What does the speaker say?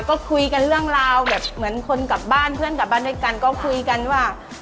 ก็คุยกันเรื่องราวแบบเหมือนคนกลับบ้านเพื่อนกลับบ้านด้วยกันก็คุยกันว่า